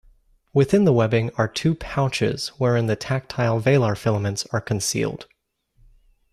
Within the webbing are two pouches wherein the tactile velar filaments are concealed.